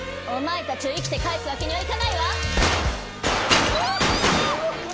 お前たちを生きて帰すわけにはいかないわ！